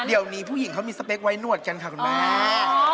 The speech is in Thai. เดี๋ยวนี้ผู้หญิงเขามีสเปคไว้หนวดกันค่ะคุณแม่